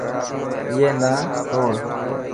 ائي نا توڙ.